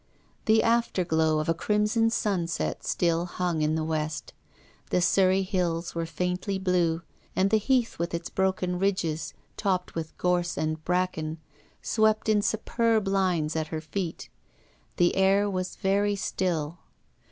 The after glow of a crimson sunset still hung in the west. The Surrey hills were faintly blue, and the heath, with its broken ridges topped with gorse and bracken, swept in superb lines at her feet. The air was very still.